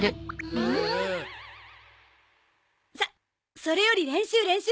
さっそれより練習練習！